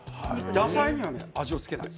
野菜には味をつけない。